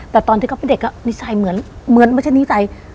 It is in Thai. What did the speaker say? แต่ตอนที่เขาเป็นเด็กก็นิสัยเหมือนไม่ใช่นิสัย